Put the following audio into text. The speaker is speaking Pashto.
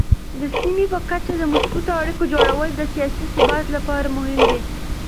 د سیمې په کچه د مثبتو اړیکو جوړول د سیاسي ثبات لپاره مهم دي.